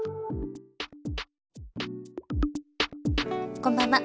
こんばんは。